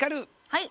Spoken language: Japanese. はい。